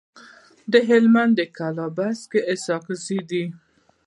د هلمند کلابست د اسحق زو دی.